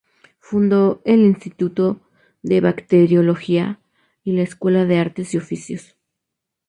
Fundó el Instituto de Bacteriología y la Escuela de Artes y Oficios.